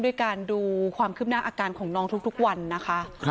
ด้วยการดูความคืบหน้าอาการของน้องทุกวันนะคะ